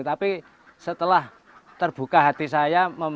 tapi setelah terbuka hati saya